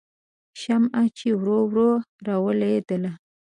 شمعه چې ورو ورو راویلېدله